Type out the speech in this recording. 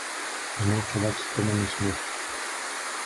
Зноў чуваць стрыманы смех.